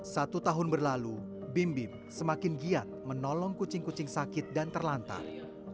satu tahun berlalu bim bim semakin giat menolong kucing kucing sakit dan terlantar